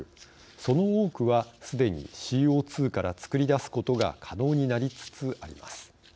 その多くは、すでにＣＯ２から作り出すことが可能になりつつあります。